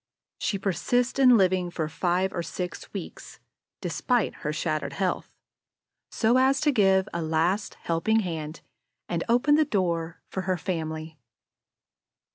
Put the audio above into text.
She persists in living for five or six weeks, despite her shattered health, so as to give a last helping hand and open the door for her family.